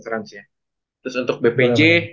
trans ya terus untuk bpj